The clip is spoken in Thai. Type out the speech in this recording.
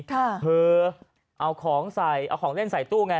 คือเอาของใส่เอาของเล่นใส่ตู้ไง